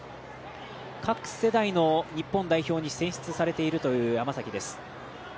各世代の日本代表に選出されているという山崎です。